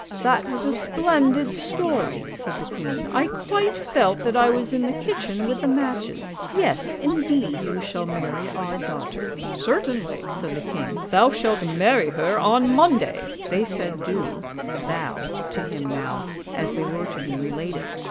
" That was a splendid story," said the queen; " I quite felt that I was in the kitchen with the matches. Yes indeed you shall marry our daughter." "Certainly!" said the king. "Thou shalt marry her on Monday! " They said " du " (thou) to him now, as they were to be related.